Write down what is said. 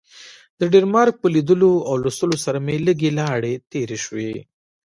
د ډنمارک په لیدلو او لوستلو سره مې لږې لاړې تیرې شوې.